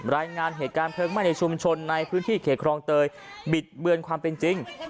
รายงานเหตุการณ์เพลิงไหม้ในชุมชนในพื้นที่เขตครองเตยบิดเบือนความเป็นจริง